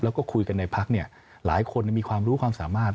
แล้วก็คุยกันในพักหลายคนมีความรู้ความสามารถ